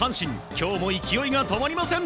今日も勢いが止まりません。